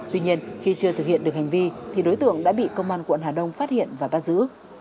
tuy nhiên khi chưa thực hiện được hành vi thì đối tượng đã bị công an quận hà đông phát hiện và bắt giữ